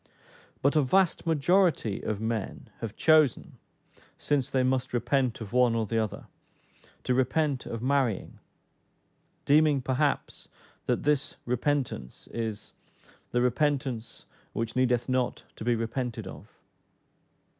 But a vast majority of men have chosen, since they must repent of one or the other, to repent of marrying, deeming perhaps that this repentance is "the repentance which needeth not to be repented of."